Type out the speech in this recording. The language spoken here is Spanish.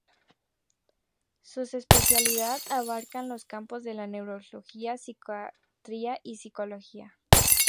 Sus especialidad abarcaban los campos de la neurología, psiquiatría y psicología.